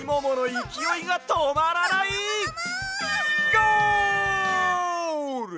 ゴール！